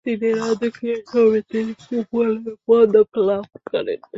তিনি রাজকীয় সমিতির কুপলে পদক লাভ করেন।